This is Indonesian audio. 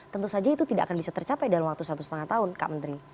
tentu saja itu tidak akan bisa tercapai dalam waktu satu setengah tahun kak menteri